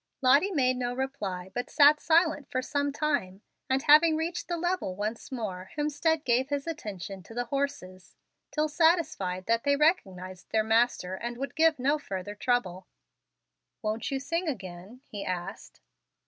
Lottie made no reply, but sat silent for some time; and, having reached the level once more, Hemstead gave his attention to the horses, till satisfied that they recognized their master and would give no further trouble. "Won't you sing again?" he asked.